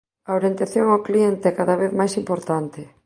A orientación ao cliente é cada vez máis importante.